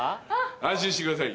安心してください